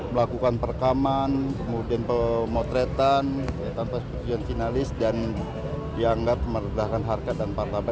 melakukan perekaman kemudian pemotretan tanpa persetujuan finalis dan dianggap meredakan harga dan pangkapan daripada finalis